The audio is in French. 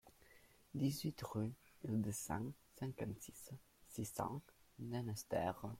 dix-huit rue Île de Sein, cinquante-six, six cents, Lanester